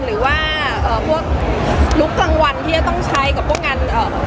หรือว่าพวกลุ๊กรางวัลที่จะต้องใช้กับพวกงาน